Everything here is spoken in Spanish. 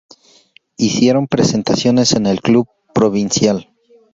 Hicieron presentaciones en el Club Provincial.